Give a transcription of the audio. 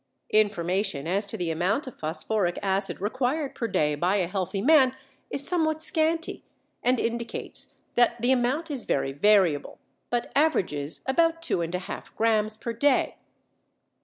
Information as to the amount of phosphoric acid required per day by a healthy man is somewhat scanty, and indicates that the amount is very variable, but averages about 2½ grams per day.